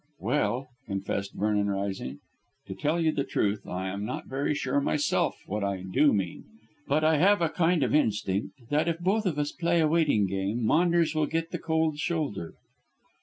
"Well," confessed Vernon, rising, "to tell you the truth, I am not very sure myself what I do mean. But I have a kind of instinct that if both of us play a waiting game, Maunders will get the cold shoulder."